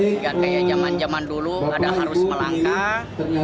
tidak kayak zaman zaman dulu ada harus melangkah